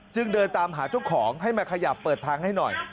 จึงเดินตามหาเจ้าของให้มาขยับเปิดทางให้หน่อย